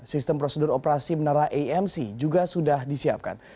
sistem prosedur operasi menara amc juga sudah disiapkan